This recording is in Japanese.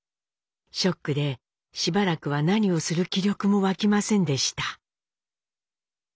ショックでしばらくは何をする気力も湧きませんでした。